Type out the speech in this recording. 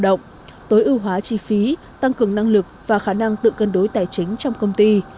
động tối ưu hóa chi phí tăng cường năng lực và khả năng tự cân đối tài chính trong công ty